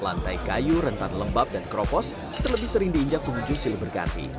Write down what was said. lantai kayu rentan lembab dan kropos terlebih sering diinjak pengunjung sili berganti